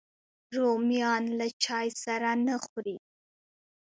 رومیان له چای سره نه خوري